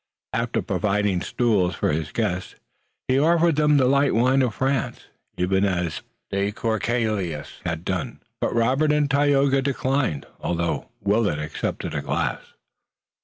After providing stools for his guests, he offered them the light wine of France, even as de Courcelles had done, but Robert and Tayoga declined, although Willet accepted a glass.